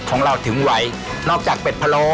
ของเราถึงไหวนอกจากเป็ดพะโล